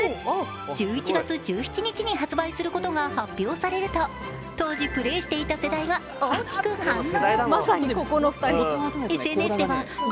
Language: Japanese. １１月１７日に発売することが発表されると当時プレーしていた世代が大きく反応。